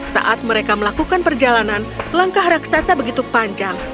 saat mereka melakukan perjalanan langkah raksasa begitu panjang